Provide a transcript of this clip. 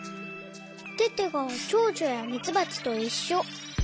テテがチョウチョやミツバチといっしょ。